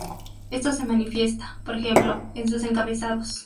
Esto se manifiesta, por ejemplo, en sus encabezados.